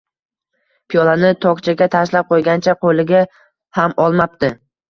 Piyolani tokchaga tashlab qo‘ygancha qo‘liga ham olmabdi